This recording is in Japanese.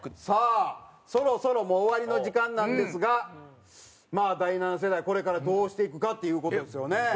さあそろそろもう終わりの時間なんですが第七世代これからどうしていくかっていう事ですよね。